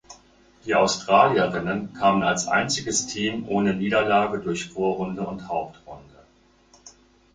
Die Australierinnen kamen als einziges Team ohne Niederlage durch Vorrunde und Hauptrunde.